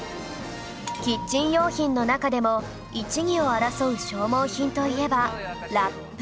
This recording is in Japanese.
キッチン用品の中でも一二を争う消耗品といえばラップ